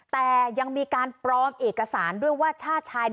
แต่ยังมีการปลอมเอกสารด้วยว่าชาติชาย